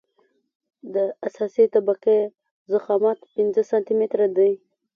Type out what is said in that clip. د اساسي طبقې ضخامت پنځه سانتي متره دی